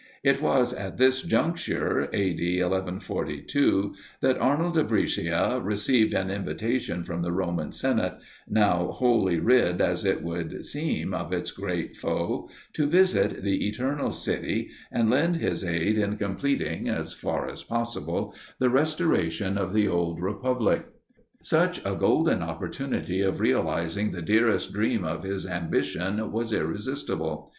It was at this juncture (A. D. 1142,) that Arnold of Brescia received an invitation from the Roman senate, now wholly rid as it would seem of its great foe, to visit the eternal city, and lend his aid in completing, as far as possible, the restoration of the old republic. Such a golden opportunity of realizing the dearest dream of his ambition was irresistible.